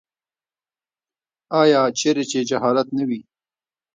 آیا چیرې چې جهالت نه وي؟